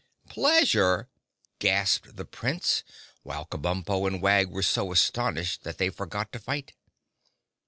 "Pleasure!" gasped the Prince, while Kabumpo and Wag were so astonished that they forgot to fight.